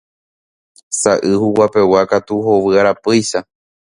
Saʼy huguapegua katu hovy arapýicha.